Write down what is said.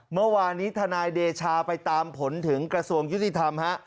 เมื่อวานนี้ทนายเดชาไปตามผลถึงกระทรวงยุติธรรมฮะ